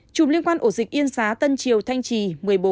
hai chủng liên quan ổ dịch yên xá tân triều thanh trì một mươi bốn